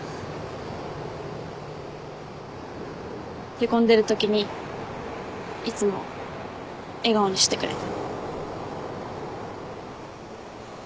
へこんでるときにいつも笑顔にしてくれた。